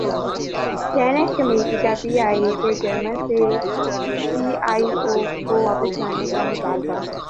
senate committee کا P I A کے German C E O کو واپس لانے کا مطالبہ